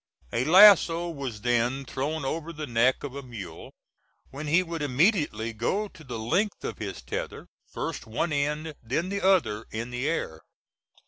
A lasso was then thrown over the neck of a mule, when he would immediately go to the length of his tether, first one end, then the other in the air.